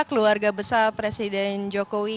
keluarga besar presiden jokowi